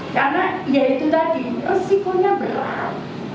karena ya itu tadi resikonya berat